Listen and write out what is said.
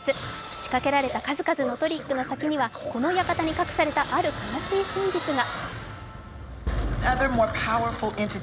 仕掛けられた数々のトリックの先にはこの館に隠されたある悲しい真実が。